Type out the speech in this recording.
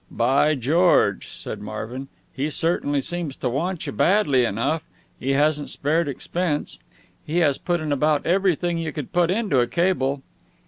"By George!" said Marvin. "He certainly seems to want you badly enough. He hasn't spared expense. He has put in about everything you could put into a cable."